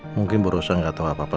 mungkin bu rosa gak tau apa apa